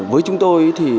với chúng tôi